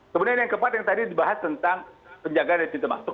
kemudian yang keempat yang tadi dibahas tentang penjagaan dari pintu masuk